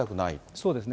そうですね。